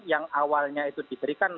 yang awalnya itu diberikan